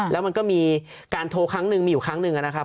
แล้วมันก็มีการโทรครั้งหนึ่งมีอยู่ครั้งหนึ่งนะครับ